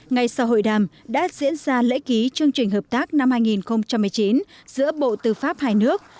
ngay sau hội đàm đã diễn ra lễ ký chương trình hợp tác năm hai nghìn một mươi chín giữa bộ tư pháp hai nước